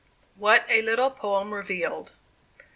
WHAT A LITTLE POEM REVEALED.